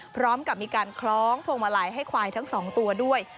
พร้อมกับมีการคล้องพวงมาลัยให้ควายทั้ง๒ตัวด้วย